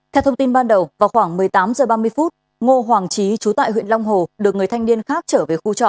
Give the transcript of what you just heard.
theo thông tin ban đầu vào khoảng một mươi tám h ba mươi ngô hoàng trí trú tại huyện long hồ được người thanh niên khác trở về khu trọ